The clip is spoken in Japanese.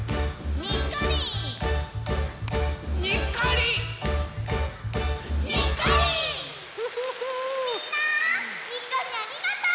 みんなにっこりありがとう！